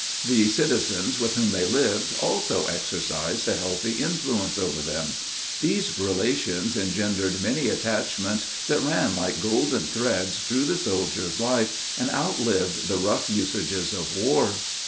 The citizens with whom they lived also exercised a healthy influence over them. These relations engendered many attachments that ran like golden threads through the soldier's life and outlived the rough usages of war.